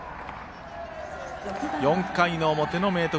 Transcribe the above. ４回の表の明徳